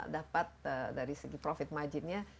dapat dari segi profit margin nya